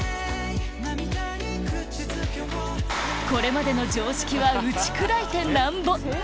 涙に口付けをこれまでの常識は打ち砕いてなんぼ！